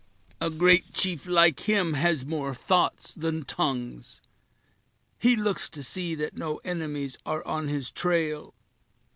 "A great chief, like him, has more thoughts than tongues. He looks to see that no enemies are on his trail."